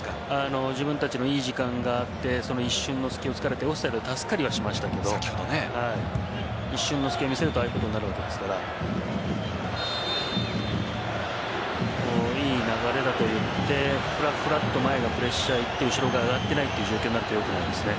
自分たちのいい時間があってその一瞬の隙を突かれてオフサイド助かりはしましたけど一瞬の隙を見せるとああいうことになるわけですからいい流れだといってふらふらと前がプレッシャーにいって後ろが上がっていない状況になると良くないですね。